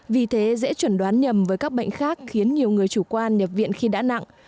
vì thế dễ chuẩn đoán nhầm với các bệnh khác khiến nhiều người chủ quan nhập viện khi đã nặng